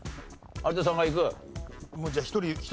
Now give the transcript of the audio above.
有田さんがいく？